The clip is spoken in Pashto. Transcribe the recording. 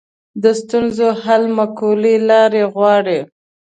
د ستونزو حل معقولې لارې غواړي